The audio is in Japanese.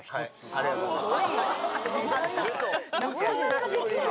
ありがとうございます。